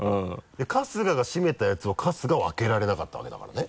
春日が閉めたやつを春日は開けられなかったわけだからね